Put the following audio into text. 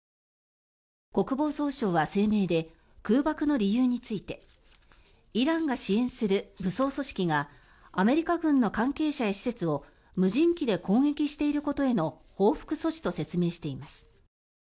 国防総省は声明で空爆の理由についてイランが支援する武装組織がアメリカ軍の関係者や施設を無人機で攻撃していることへの報復措置と説明しています。